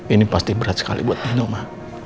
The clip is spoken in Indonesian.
ini pasti berat sekali buat nino ma